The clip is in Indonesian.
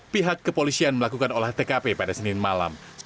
pihak kepolisian melakukan olah tkp pada senin malam